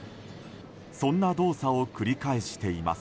そんな動作を繰り返しています。